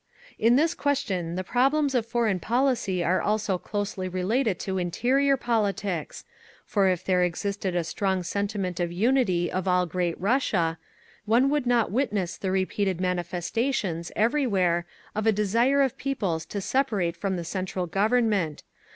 "In this question the problems of foreign policy are also closely related to interior politics, for if there existed a strong sentiment of unity of all great Russia, one would not witness the repeated manifestations, everywhere, of a desire of peoples to separate from the Central Government….